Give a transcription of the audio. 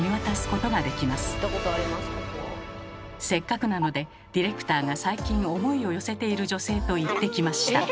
せっかくなのでディレクターが最近思いを寄せている女性と行ってきました。